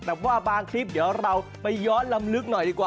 แต่ว่าบางคลิปเดี๋ยวเราไปย้อนลำลึกหน่อยดีกว่า